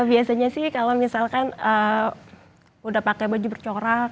biasanya sih kalau misalkan udah pakai baju bercorak